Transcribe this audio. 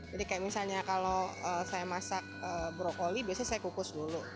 jadi misalnya kalau saya masak brokoli biasanya saya kukus dulu